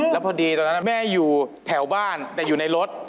แล้วพอดีตอนนั้นแม่อยู่แถวบ้านแต่อยู่ในรถ